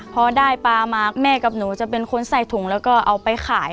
พอได้ปลามาแม่กับหนูจะเป็นคนใส่ถุงแล้วก็เอาไปขาย